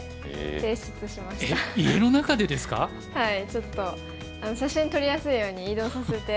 ちょっと写真撮りやすいように移動させて。